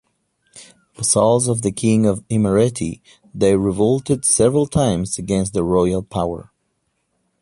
Vassals of the King of Imereti, they revolted several times against the royal power.